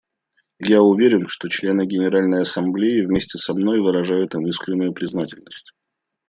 Я уверен, что члены Генеральной Ассамблеи вместе со мной выражают им искреннюю признательность.